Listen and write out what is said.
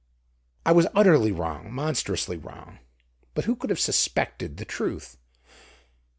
"I was utterly wrong, monstrously wrong. But who could have suspected the truth?"